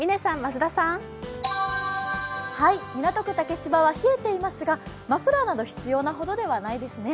港区竹芝は冷えていますがマフラーなど必要なほどではないですね。